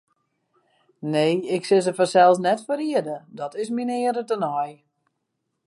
Nee, ik sil se fansels net ferriede, dat is myn eare tenei.